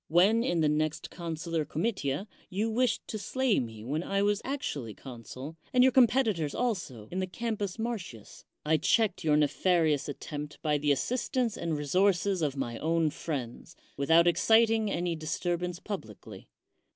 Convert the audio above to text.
When, in the next consular comitia, you wished to slay me when I was actually consul, and your competitors also, in the Campus Martins, I checked your nefarious attempt by the assistance and resources of my own friends, without exciting any disturbance publicly.